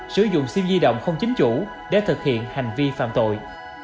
sử dụng sim di động không chính chủ để thực hiện hành vi phạm tội